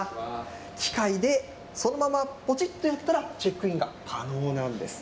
機械でそのまま、ぽちっとやったら、チェックインが完了なんです。